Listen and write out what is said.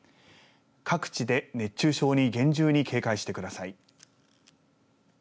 各地で熱中症に厳重に警戒してください。